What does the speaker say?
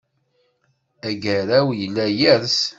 Agaraw yella yers.